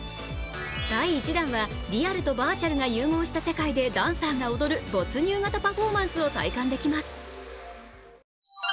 第１弾はリアルとバーチャルが融合した世界でダンサーが踊る没入型パフォーマンスを体感できます。